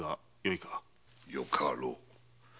よかろう。